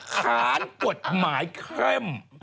ค้านกฎหมายเคร่ง